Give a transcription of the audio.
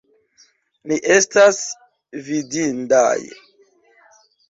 Ni estas fidindaj!